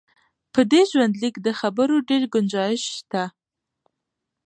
په دې ژوندلیک د خبرو ډېر ګنجایش شته.